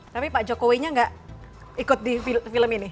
tapi pak jokowinya gak ikut di film ini